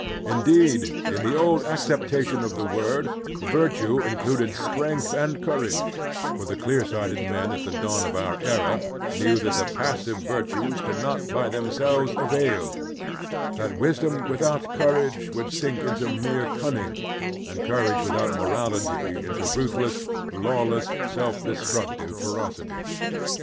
Indeed, in the old accepta tion of the word, virtue included strength and courage, for the clear sighted men at the dawn of our era knew that the passive virtues could not by themselves avail, that wisdom without courage would sink into mere cimning, and courage with out morality into ruthless, lawless, self destructive ferocity.